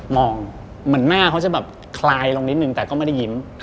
เหมือนหน้าเขาจะแบบคลายลงนิดนึงแต่ก็ไม่ได้ยิ้ม